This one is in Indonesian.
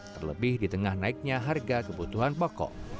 terlebih di tengah naiknya harga kebutuhan pokok